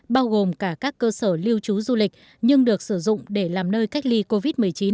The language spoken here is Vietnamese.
bao gồm cả các cơ sở lưu trú du lịch nhưng được sử dụng để làm nơi cách ly covid một mươi chín